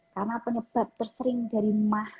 karena penyebab tersering dari mah